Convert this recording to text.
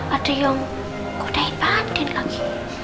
ada yang kodain mbak anden lagi